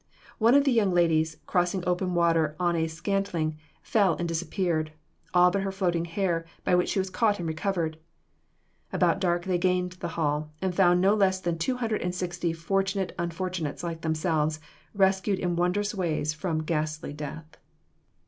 One of the young ladies, crossing open water on a scantling, fell and disappeared, all but her floating hair, by which she was caught and recovered. About dark they gained the hall, and found no less than two hundred and sixty fortunate unfortunates like themselves, rescued in wondrous ways from ghastly death.